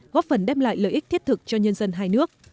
góp phần đem lại lợi ích thiết thực cho nhân dân hai nước